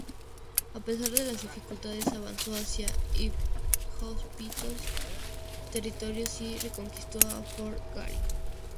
A pesar de las dificultades avanzó hacía inhóspitos territorios y reconquistó Fort Garry.